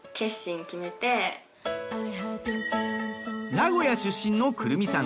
名古屋出身の胡桃さん。